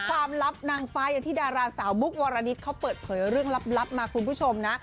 ความลับนางไฟล์ที่ดาราสาวมุกวรณิชเขาเปิดเผยเรื่องลับมาคุณผู้ชมนะ